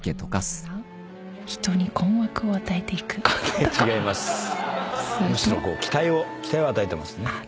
むしろ期待を与えてますね。